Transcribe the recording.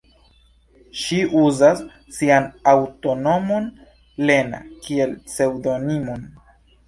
Ŝi uzas sian antaŭnomon "Lena" kiel pseŭdonimon.